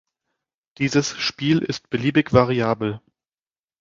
Dieses Spiel ist beliebig variabel.